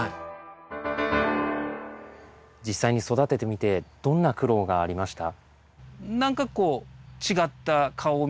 実際に育ててみてどんな苦労がありました？